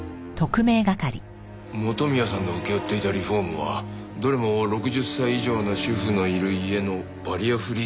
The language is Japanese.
元宮さんの請け負っていたリフォームはどれも６０歳以上の主婦のいる家のバリアフリー施工か。